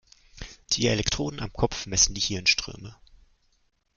Die Elektroden am Kopf messen die Hirnströme.